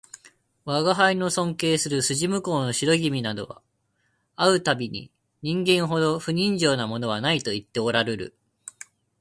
吾輩の尊敬する筋向こうの白君などは会う度毎に人間ほど不人情なものはないと言っておらるる